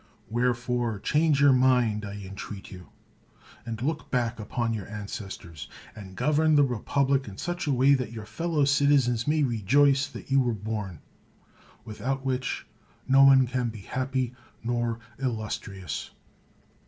Wherefore, change your mind, I entreat you, and look back upon your ancestors, and govern the republic in such a way that your fellow citizens may rejoice that you were bom; without which no one can be happy nor illustrious.